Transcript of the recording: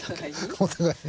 お互いに？